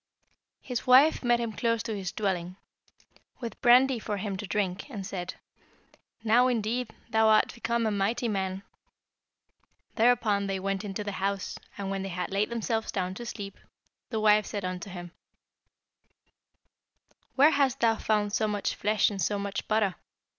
"His wife met him close to his dwelling, with brandy for him to drink, and said, 'Now, indeed, thou art become a mighty man.' Thereupon they went into the house, and when they had laid themselves down to sleep, the wife said to him, 'Where hast thou found so much flesh and so much butter?'